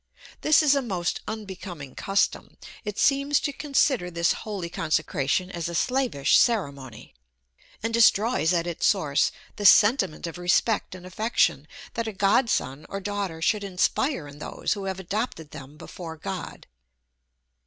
This is a most unbecoming custom; it seems to consider this holy consecration as a slavish ceremony, and destroys at its source the sentiment of respect and affection, that a godson or daughter should inspire in those who have adopted them before God.